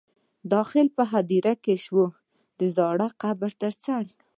داخل په هدیره شو د زاړه قبر تر څنګ.